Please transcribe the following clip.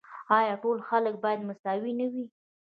آیا ټول خلک باید مساوي نه وي؟